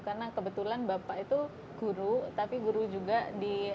karena kebetulan bapak itu guru tapi guru juga di apa gatung